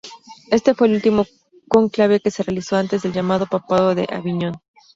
Este fue el último cónclave que se realizó antes del llamado "Papado de Aviñón".